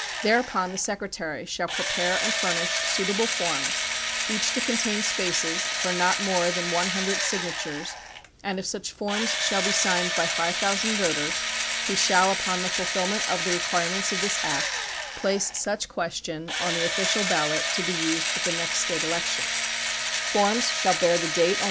Thereupon the secretary shall prepare and furnish suitable forms; each to contain spaces for not more than one hundred signatures, and if such forms shall be signed by five thousand voters, he shall upon the fulfillment of the requirements of this act place such question on 1 2 THE PUBLIC OPINION BILL not in our laws but in the fundamental principles of our government.